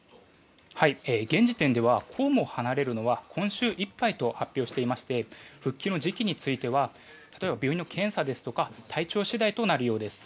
現時点では公務を離れるのは今週いっぱいと発表していまして復帰の時期については例えば病院の検査や体調次第となるようです。